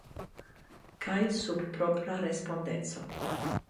Kaj sub propra respondeco.